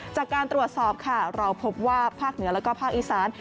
จากการตรวจสอบค่ะเราพบว่าภาคเหนือแล้วก็ภาคอีสาน